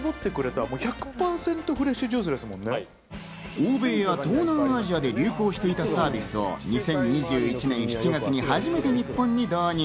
欧米や東南アジアで流行していたサービスを２０２１年７月に初めて日本に導入。